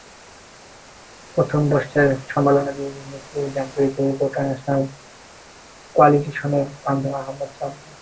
প্রথম পর্বের সম্মেলনে বিদ্রোহীদের নেতৃত্ব দেন বিদ্রোহীদের জোট ন্যাশনাল কোয়ালিশনের প্রধান আহমেদ জাবরা।